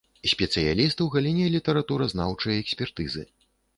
Спецыяліст у галіне літаратуразнаўчай экспертызы.